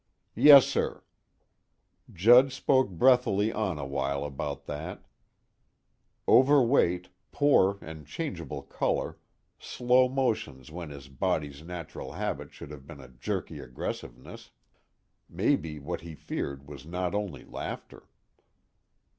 "Yes, sir." Judd spoke breathily on a while about that. Overweight, poor and changeable color, slow motions when his body's natural habit should have been a jerky aggressiveness maybe what he feared was not only laughter.